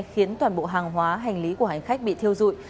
khiến toàn bộ hàng hóa hành lý của hành khách bị thiêu dụi